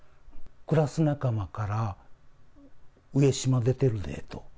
クラス仲間から上島出てるでと。